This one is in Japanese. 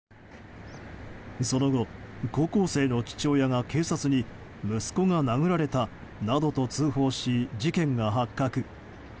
その後、高校生の父親が警察に息子が殴られたなどと通報し事件が発覚。